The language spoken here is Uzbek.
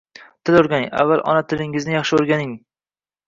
Til o'rganing, avval ona tilingizni yaxshi o'rganing